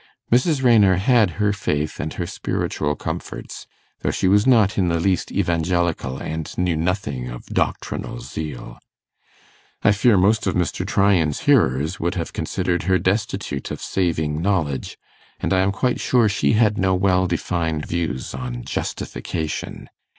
Mrs. Raynor had her faith and her spiritual comforts, though she was not in the least evangelical and knew nothing of doctrinal zeal. I fear most of Mr. Tryan's hearers would have considered her destitute of saving knowledge, and I am quite sure she had no well defined views on justification.